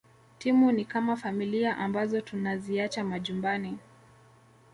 Timu ni kama familia ambazo tunaziacha majumbani